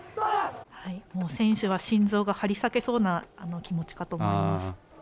選手は心臓が張り裂けそうな気持ちかと思います。